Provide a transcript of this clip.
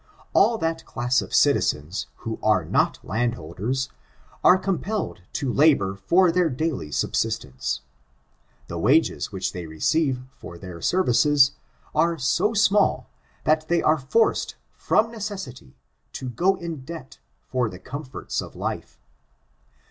All that class of citizens who are not landholders, are compelled to labor for their daily subsistence. The wages which they receive for their services, are so small that they are forced from neces sity to go in debt for the comforts of life.